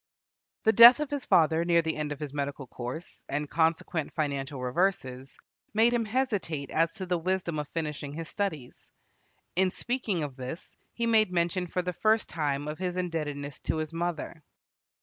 The death of his father near the end of his medical course, and consequent financial reverses, made him hesitate as to the wisdom of finishing his studies. In speaking of this, he made mention for the first time of his indebtedness to his mother.